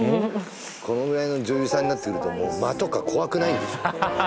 このぐらいの女優さんになってくるともう間とか怖くないんでしょう